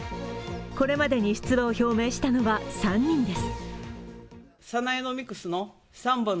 これまでに出馬を表明したのは３人です。